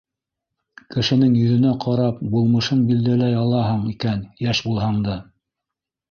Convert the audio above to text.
Кешенең йөҙөнә ҡарап булмышын билдәләй алаһың икән йәш булһаң да...